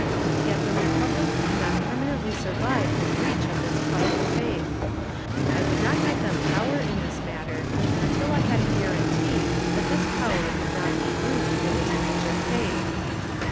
Yet the Republic can not permanently survive the breach of this plighted laith. I would not give them power in this matter, until I had a guaranty that this power would not be used for this breach of faith.